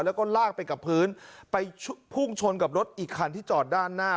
แล้วก็ลากไปกับพื้นไปพุ่งชนกับรถอีกคันที่จอดด้านหน้า